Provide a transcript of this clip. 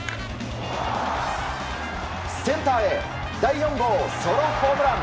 センターへ第４号ソロホームラン！